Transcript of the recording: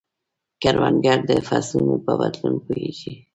کروندګر د فصلونو په بدلون پوهیږي